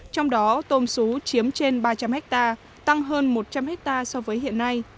trong đó tôm xú chiếm trên ba trăm linh ha tăng hơn một trăm linh ha so với hiện nay